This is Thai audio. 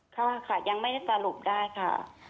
เข้าค่ะยังไม่ได้สรุปได้ค่ะ